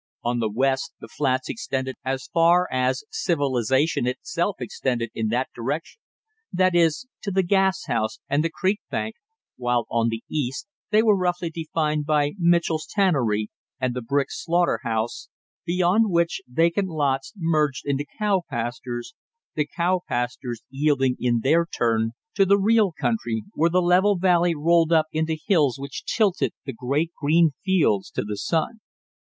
On the west the flats extended as far as civilization itself extended in that direction, that is, to the gas house and the creek bank, while on the east they were roughly defined by Mitchell's tannery and the brick slaughter house, beyond which vacant lots merged into cow pastures, the cow pastures yielding in their turn to the real country, where the level valley rolled up into hills which tilted the great green fields to the sun.